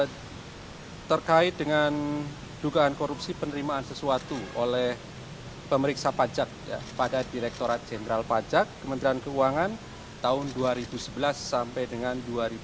terkait dengan dugaan korupsi penerimaan sesuatu oleh pemeriksa pajak pada direkturat jenderal pajak kementerian keuangan tahun dua ribu sebelas sampai dengan dua ribu dua puluh